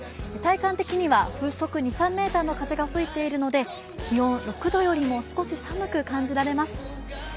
体感的には風速２３メーターの風が吹いているので気温６度よりも少し寒く感じられます。